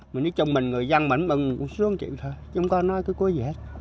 mình nói chung mình người dân mình ưng cũng sướng chịu thôi chứ không có nói cái cưới gì hết